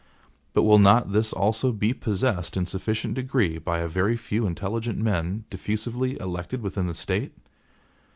But will not this also be possessed in sufficient degree by a very few intelligent men, diffusively elected within the State?